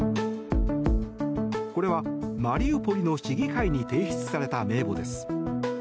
これはマリウポリの市議会に提出された名簿です。